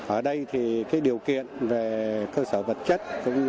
ở đây thì cái điều kiện về cơ sở vật chất